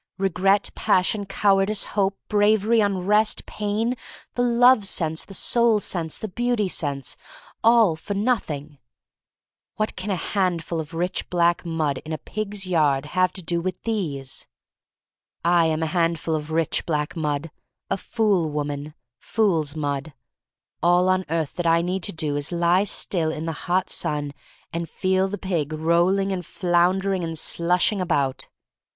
Regret, passion, cowardice, hope, bravery, unrest, pain, the love sense, the soul sense, the beauty sense — all for nothing! What can a handful of rich 2l6 THE STORY OF MARY MAC LANE black mud in a pig's yard have to do with these? I am a handful of rich black mud — a fool woman, fool's mud. All on earth that I need to do is to lie still in the hot sun and feel the pig roll ing and floundering and slushing about.